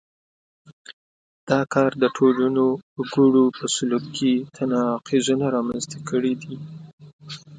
دا کار د ټولنو وګړو په سلوک کې تناقضونه رامنځته کړي دي.